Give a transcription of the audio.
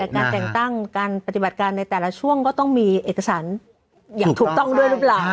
การแต่งตั้งการปฏิบัติการในแต่ละช่วงก็ต้องมีเอกสารอย่างถูกต้องด้วยหรือเปล่า